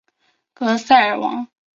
格萨尔王